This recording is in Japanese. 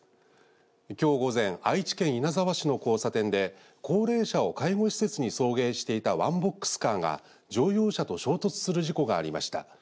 きょう午前愛知県稲沢市の交差点で高齢者を介護施設に送迎していたワンボックスカーが乗用車と衝突する事故がありました。